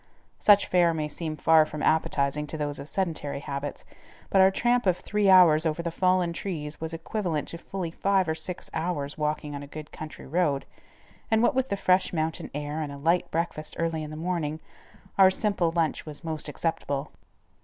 Such fare may seem far from appetizing to those of sedentary habits, but our tramp of three hours over the fallen trees was equivalent to fully five or six hours walking on a good country road, and what with the fresh mountain air and a light breakfast early in the morning, our simple lunch was most acceptable.